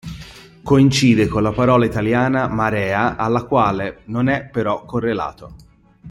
Coincide con la parola italiana "marea", alla quale non è però correlato.